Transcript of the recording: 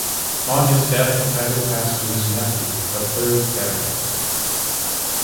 On his death the title passed to his nephew, the third Baron.